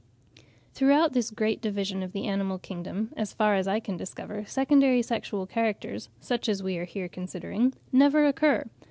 Throughout this great division of the animal kingdom, as far as I can discover, secondary sexual characters, such as we are here considering, never occur.